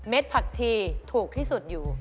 ผักชีถูกที่สุดอยู่